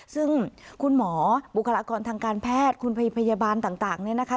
ซึ่งคุณหมอบุคลากรทางการแพทย์คุณพยาบาลต่างเนี่ยนะคะ